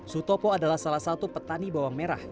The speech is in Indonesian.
sutopo adalah salah satu petani bawang merah